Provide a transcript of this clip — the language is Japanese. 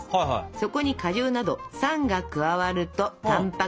そこに果汁など酸が加わるとたんぱく質が固まるのよ。